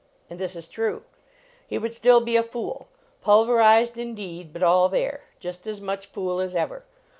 And this is true. He would still be a fool; pulver ized, indeed, but all there; just as much fool as ever.